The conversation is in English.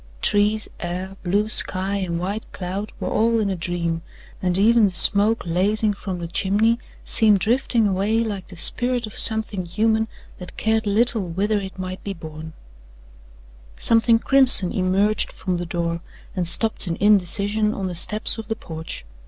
Trees, air, blue sky and white cloud were all in a dream, and even the smoke lazing from the chimney seemed drifting away like the spirit of something human that cared little whither it might be borne. Something crimson emerged from the door and stopped in indecision on the steps of the porch.